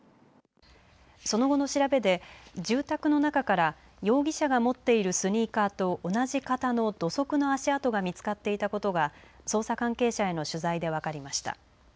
その後の調べで、住宅の中から容疑者が持っているスニーカーと同じ型の土足の足跡が見つかっていたことが捜査関係者への取材で分かりました。